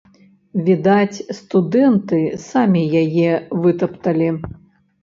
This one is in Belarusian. Відаць, студэнты самі яе вытапталі.